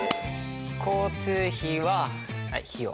交通費は費用。